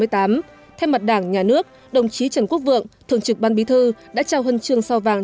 thay mặt đảng nhà nước đồng chí trần quốc vượng thường trực ban bí thư đã trao huân trường sao vàng